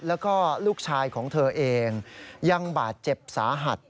แล้วก็ลูกชายของเธอเองยังบาดเจ็บสาหัส